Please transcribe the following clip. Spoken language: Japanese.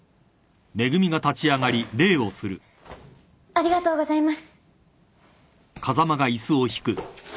ありがとうございます。